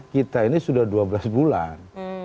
kita ini sudah dua belas bulan